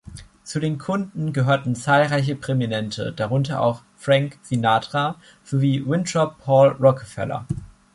Zu den Kunden gehörten zahlreiche Prominente, darunter auch Frank Sinatra sowie Winthrop Paul Rockefeller.